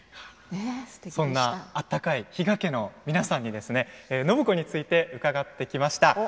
そんな温かい比嘉家の皆さんに暢子について伺ってきました。